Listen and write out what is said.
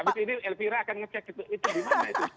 abis ini elvira akan ngecek itu gimana itu